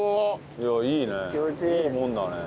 いやいいね！